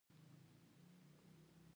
د لاره اواز د دوی زړونه ارامه او خوښ کړل.